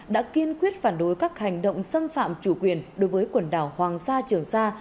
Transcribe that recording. đã kiên quyết phản đối các hành động xâm phạm chủ quyền đối với quần đảo hoàng sa trường sa